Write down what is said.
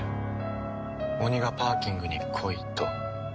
「王苦パーキングに来い」と。